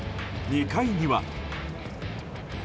２回には。